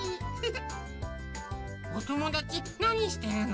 おともだちなにしてるの？